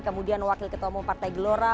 kemudian wakil ketua umum partai gelora